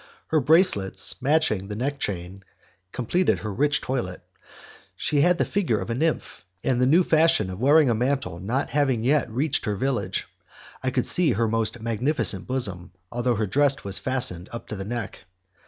Her bracelets, matching the neckchain, completed her rich toilet. She had the figure of a nymph, and the new fashion of wearing a mantle not having yet reached her village, I could see the most magnificent bosom, although her dress was fastened up to the neck.